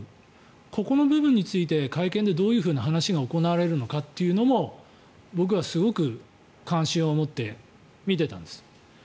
ここの部分について会見でどういう話が行われるかというのも僕はすごく関心を持って見てたんです。